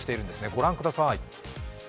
ご覧ください。